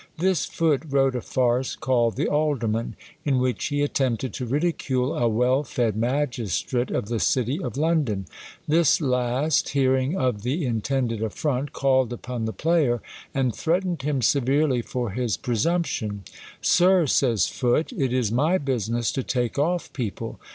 This Foote wrote a farce, called the Alderman ; in which he attempted to ridicule a well fed magistrate of the city of London. This last, hearing of the intended affroiit, called upon the player, and threatened him severely for his pre sumption. Sir, says Foote, it is my business to take off people.